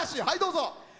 はいどうぞ。